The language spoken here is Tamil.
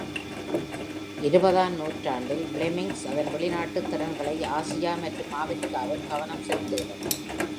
இருபதாம் நூற்றாண்டில், ஃப்ளெமிங்ஸ் அதன் வெளிநாட்டு திறன்களை ஆசியா, மற்றும் ஆபிரிக்காவில் கவனம் செலுத்துகிறது.